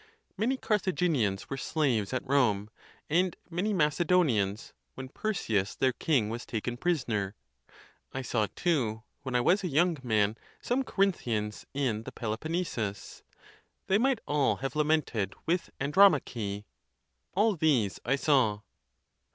Many Carthaginians were slaves 4t Rome, and many Mace donians, when Perseus their king was taken prisoner. Isaw, 114 THE TUSCULAN DISPUTATIONS. too, when I was a young man, some Corinthians in the Pelo ponnesus. They might all have lamented with Andromache, All these I saw......